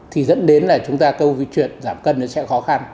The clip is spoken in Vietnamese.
thì dẫn đến là chúng ta câu chuyện giảm cân sẽ khó khăn